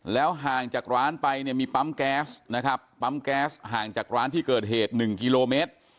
ห่างจากร้านไปเนี่ยมีปั๊มแก๊สนะครับปั๊มแก๊สห่างจากร้านที่เกิดเหตุ๑กิโลเมตร